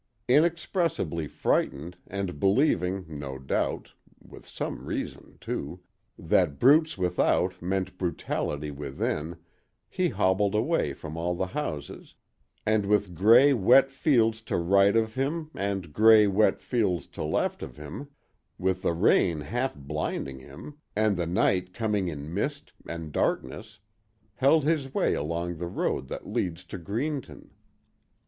Inexpressibly frightened and believing, no doubt (with some reason, too) that brutes without meant brutality within, he hobbled away from all the houses, and with gray, wet fields to right of him and gray, wet fields to left of him—with the rain half blinding him and the night coming in mist and darkness, held his way along the road that leads to Greenton.